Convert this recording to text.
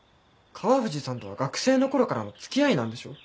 川藤さんとは学生の頃からの付き合いなんでしょ？